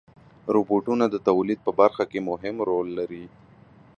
روبوټونه د تولید په برخه کې مهم رول لري.